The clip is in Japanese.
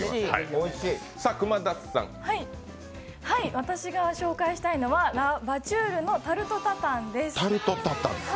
私が紹介したいのはラ・ヴァチュールのタルトタタンです。